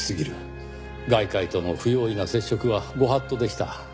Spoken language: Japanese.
外界との不用意な接触は御法度でした。